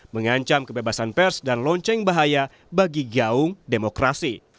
mengancam kebebasan pers dan lonceng bahaya bagi gaung demokrasi